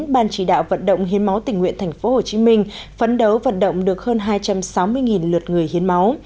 ban chỉ đạo vận động hiến máu tỉnh nguyện tp hcm phấn đấu vận động được hơn hai trăm sáu mươi lượt người hiến máu